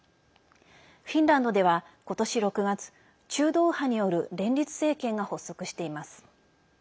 フィンランドでは今年６月中道右派による連立政権が発足しています。